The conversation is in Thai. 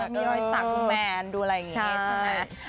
มีรอยสักคุณแมนดูอะไรอย่างนี้ใช่ไหม